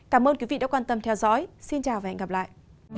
cảm ơn quý vị đã quan tâm theo dõi xin chào và hẹn gặp lại